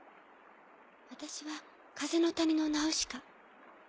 私は風の谷のナウシカ。